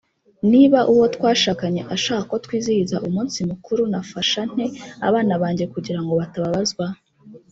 niba uwo twashakanye ashaka ko twizihiza umunsi mukuru Nafasha nte abana banjye kugira ngo batababazwa